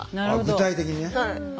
具体的にね。